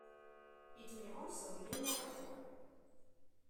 It may also be a metaphor.